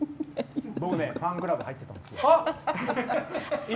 僕、ファンクラブ入ってたんですよ。